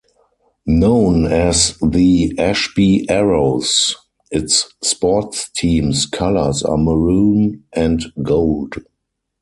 Known as the "Ashby Arrows", its sports teams' colors are maroon and gold.